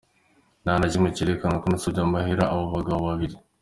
"Nta na kimwe cerekana ko nasavye amahera abo bagabo babiri.